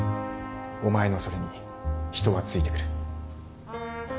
お前のそれに人はついてくる